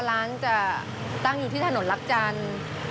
ร้านจะตั้งอยู่ที่ถนนรักจันทร์